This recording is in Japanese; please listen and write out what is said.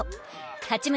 八村